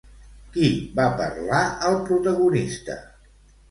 Qui va parlar al protagonista?